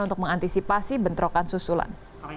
untuk mengantisipasi bentrokan susulan